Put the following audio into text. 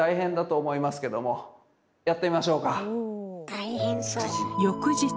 大変そう。